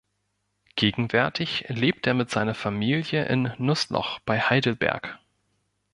Gegenwärtig lebt er mit seiner Familie in Nußloch bei Heidelberg.